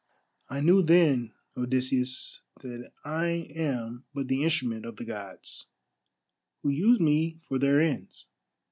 I knew then, Odysseus, that I am but the instrument of the Gods, who use me for their ends.